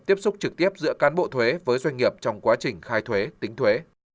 tiếp xúc trực tiếp giữa cán bộ thuế với doanh nghiệp trong quá trình khai thuế tính thuế